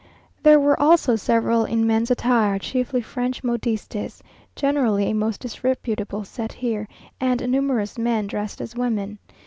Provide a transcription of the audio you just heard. There were also several in men's attire, chiefly French modistes, generally a most disreputable set here, and numerous men dressed as women.